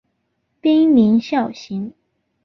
滨名孝行。